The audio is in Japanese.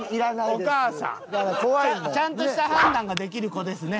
お母さんちゃんとした判断ができる子ですね。